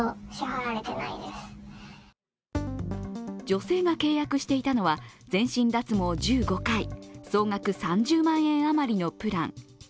女性が契約していた全身脱毛１５回総額３０万円余りのプラン。